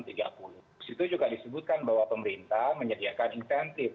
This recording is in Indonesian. di situ juga disebutkan bahwa pemerintah menyediakan insentif